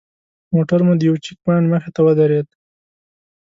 موټر مو د یوه چیک پواینټ مخې ته ودرېد.